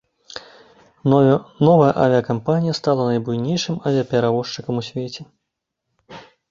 Новая авіякампанія стала найбуйнейшым авіяперавозчыкам у свеце.